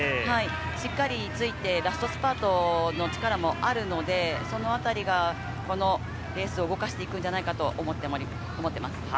しっかりついて、ラストスパートの力もあるので、そのあたりがこのレースを動かしていくんじゃないかなと思っております。